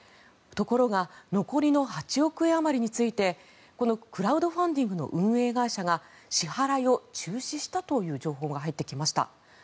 ところが残りの８億円あまりについてこのクラウドファンディングの運営会社が支払いを中止したという情報が入ってきました。